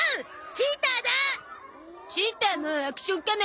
チーターもアクション仮面